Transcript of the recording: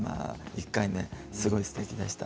１回目、すごくすてきでした。